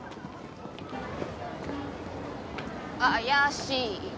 怪しい。